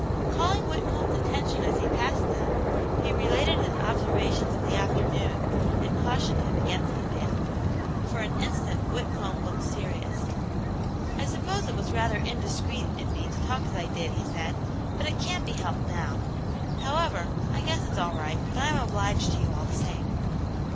Calling Whitcomb's attention as he passed them, he related his observations of the afternoon and cautioned him against the man. For an instant Whitcomb looked serious. "I suppose it was rather indiscreet in me to talk as I did," he said, "but it can't be helped now. However, I guess it's all right, but I'm obliged to you all the same."